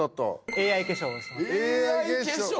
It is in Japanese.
ＡＩ化粧？